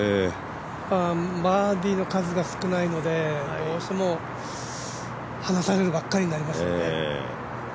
バーディーの数が少ないのでどうしても離されるばかりになります。